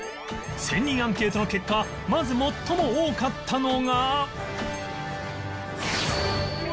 １０００人アンケートの結果まず最も多かったのが